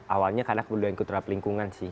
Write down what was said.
awalnya karena aku udah ikut terhadap lingkungan sih